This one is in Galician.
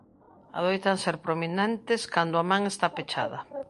Adoitan ser prominentes cando a man está pechada.